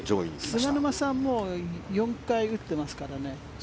菅沼さんはもう４回打ってますからね。